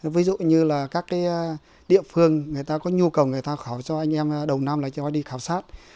ví dụ như các địa phương có nhu cầu người ta khảo cho anh em đầu năm đi khảo sát